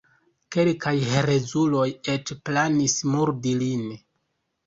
Kelkaj herezuloj eĉ planis murdi lin.